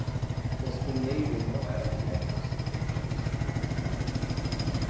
Os pinheiros não eram retos e rugidos, como no lago.